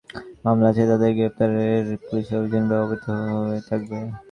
তবে যাঁদের বিরুদ্ধে ফৌজদারি মামলা আছে, তাঁদের গ্রেপ্তারে পুলিশের অভিযান অব্যাহত থাকবে।